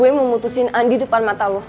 gue mau putusin andi depan mata lo